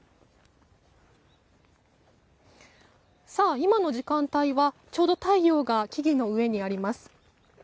今の時間帯は、ちょうど太陽が木々の上にあります。